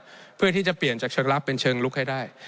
เพื่อที่จะเปลี่ยนจากเชิงลับเป็นเชิงลุกให้ได้